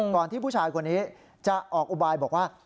ที่ผู้ชายคนนี้จะออกอุบายบอกว่า